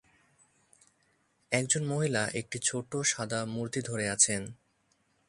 একজন মহিলা একটি ছোট সাদা মূর্তি ধরে আছেন।